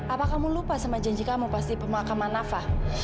apa kamu lupa sama janji kamu pasti pemakaman nafa